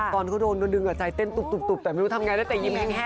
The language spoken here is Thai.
ตอนก็โดนดึงอะใจเต้นตุบแต่ไม่รู้ทำยังไงแต่ยิ้มยิ้มแห้งอะ